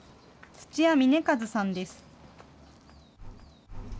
土屋峰和さんです。